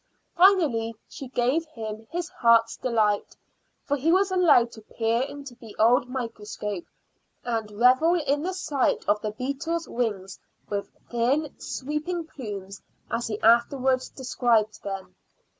Finally she gave him his heart's delight, for he was allowed to peer into the old microscope and revel in the sight of the beetle's wings with thin, sweeping plumes, as he afterwards described them.